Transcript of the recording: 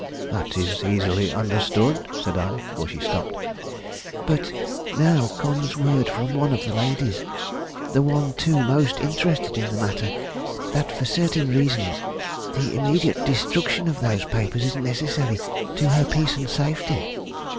"That is easily understood," said I; for she stopped. "But, now comes word from one of the ladies, the one, too, most interested in the matter, that, for certain reasons, the immediate destruction of those papers is necessary to her peace and safety."